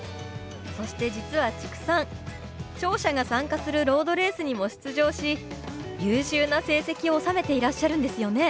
そして実は知久さん聴者が参加するロードレースにも出場し優秀な成績を収めていらっしゃるんですよね？